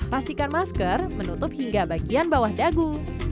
pastikan masker menutup hingga bagian bawah dagu